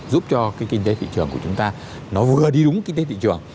giúp cho cái kinh tế thị trường của chúng ta nó vừa đi đúng kinh tế thị trường